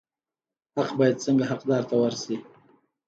حق باید څنګه حقدار ته ورسي؟